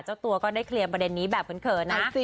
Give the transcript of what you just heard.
เจ้าตัวก็ได้เคลียร์ประเด็นนี้แบบเขินนะ